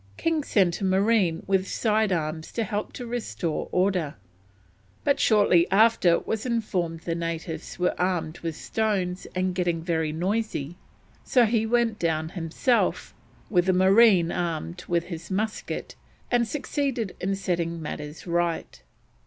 King sent a marine with side arms to help to restore order, but shortly after was informed the natives were arming with stones and getting very noisy, so he went down himself, with a marine armed with his musket, and succeeded in setting matters right.